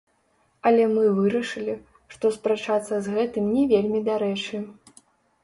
Але мы вырашылі, што спрачацца з гэтым не вельмі дарэчы.